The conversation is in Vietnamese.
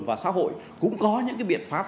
và xã hội cũng có những biện pháp